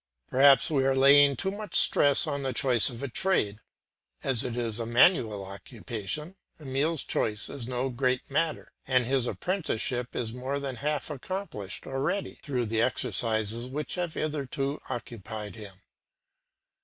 Perhaps we are laying too much stress on the choice of a trade; as it is a manual occupation, Emile's choice is no great matter, and his apprenticeship is more than half accomplished already, through the exercises which have hitherto occupied him.